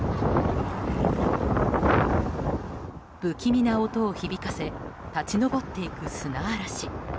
不気味な音を響かせ立ち上っていく砂嵐。